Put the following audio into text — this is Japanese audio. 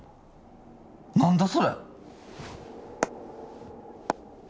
何だそれ！？